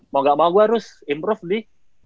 mau gak mau gue harus improve di